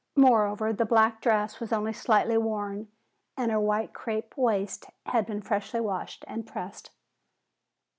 Moreover, the black dress was only slightly worn and her white crepe waist had been freshly washed and pressed.